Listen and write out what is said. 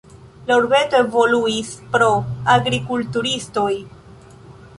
La urbeto evoluis pro agrikulturistoj.